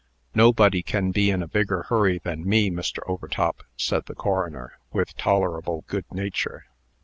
"Nobody can be in a bigger hurry than me, Mr. Overtop," said the coroner, with tolerable good nature.